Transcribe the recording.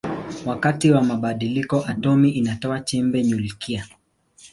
Wakati wa badiliko atomi inatoa chembe nyuklia.